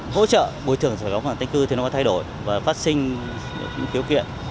hỗ trợ bồi thưởng giải phóng bằng tái định cư thì nó có thay đổi và phát sinh những kiểu kiện